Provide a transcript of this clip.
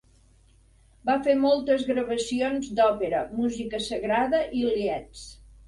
Va fer moltes gravacions d'òpera, música sagrada i lieds.